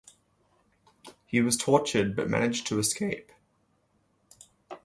He was tortured but managed to escape.